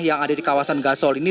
yang ada di kawasan gasol ini